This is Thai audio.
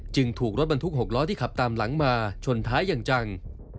ถูกรถบรรทุก๖ล้อที่ขับตามหลังมาชนท้ายอย่างจัง